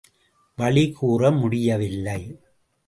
வழி கூற முடியவில்லை.